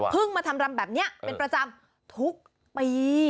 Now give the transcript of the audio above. มาทำรำแบบนี้เป็นประจำทุกปี